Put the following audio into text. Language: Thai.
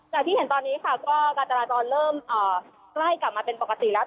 ที่เห็นตอนนี้ค่ะก็การจราจรเริ่มใกล้กลับมาเป็นปกติแล้ว